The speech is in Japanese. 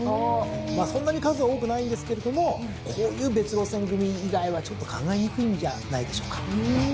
まあそんなに数は多くないんですけれどもこういう別路線組以外はちょっと考えにくいんじゃないでしょうか。